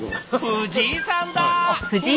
藤井さんだ！